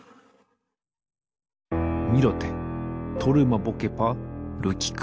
ミロテトルマボケパルキク。